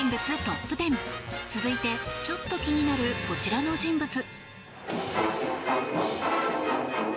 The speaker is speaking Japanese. トップ１０続いて、ちょっと気になるこちらの人物。